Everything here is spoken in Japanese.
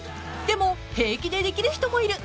［でも平気でできる人もいる。